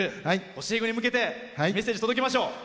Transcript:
教え子に向けてメッセージ届けましょう。